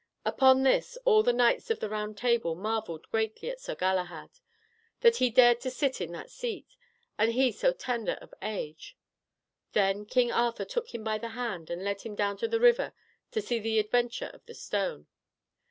Upon this, all the knights of the Round Table marvelled greatly at Sir Galahad, that he dared to sit in that seat, and he so tender of age. Then King Arthur took him by the hand and led him down to the river to see the adventure of the stone.